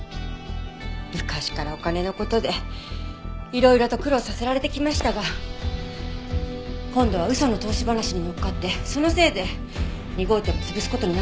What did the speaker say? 昔からお金の事でいろいろと苦労させられてきましたが今度は嘘の投資話にのっかってそのせいで２号店も潰す事になってしまったんです。